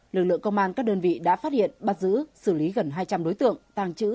lực lượng công an các đơn vị đã phát hiện bắt giữ xử lý gần hai trăm linh đối tượng tàng trữ